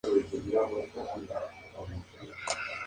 Cubo de rinoceronte continúa visitar.